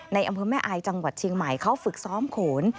อำเภอแม่อายจังหวัดเชียงใหม่เขาฝึกซ้อมโขน